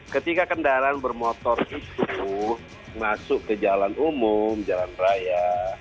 ketika kendaraan bermotor itu masuk ke jalan umum jalan raya